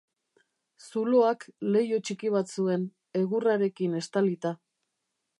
Zuloak leiho txiki bat zuen, egurrarekin estalita.